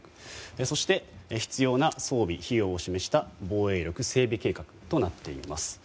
そして必要な装備、費用を示した防衛力整備計画となっています。